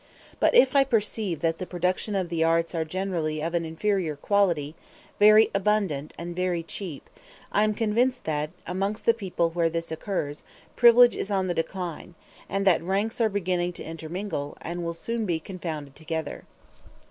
But if I perceive that the productions of the arts are generally of an inferior quality, very abundant and very cheap, I am convinced that, amongst the people where this occurs, privilege is on the decline, and that ranks are beginning to intermingle, and will soon be confounded together.